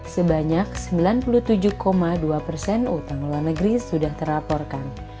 sebanyak sembilan puluh tujuh dua persen utang luar negeri sudah terlaporkan